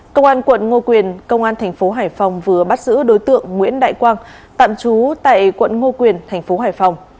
công an quận ngô quyền công an thành phố hải phòng vừa bắt giữ đối tượng nguyễn đại quang tạm trú tại quận ngô quyền thành phố hải phòng